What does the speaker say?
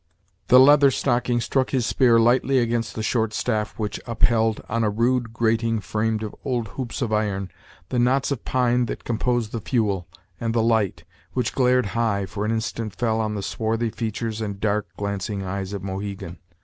The Leather Stocking struck his spear lightly against the short staff which up held, on a rude grating framed of old hoops of iron, the knots of pine that composed the fuel, and the light, which glared high, for an instant fell on the swarthy features and dark, glancing eyes of Mohegan.